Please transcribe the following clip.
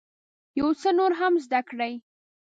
یو څه نور هم زده کړئ.